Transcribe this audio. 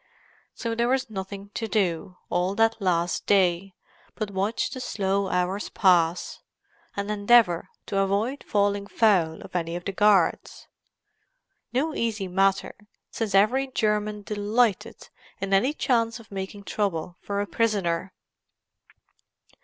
So there was nothing to do, all that last day, but watch the slow hours pass, and endeavour to avoid falling foul of any of the guards—no easy matter, since every German delighted in any chance of making trouble for a prisoner.